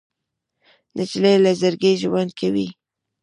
نجلۍ له زړګي ژوند کوي.